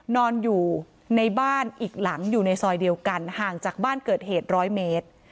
นอนอยู่ในบ้านอีกหลังอยู่ในซอยเดียวกันห่างจากบ้านเกิดเหตุร้อยเมตร